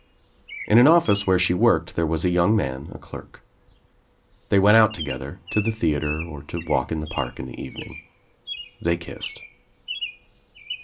In an office where she worked there was a young man, a clerk. They went out together, to the theatre or to walk in the park in the evening. They kissed.